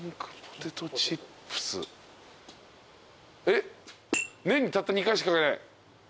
えっ年にたった２回しか。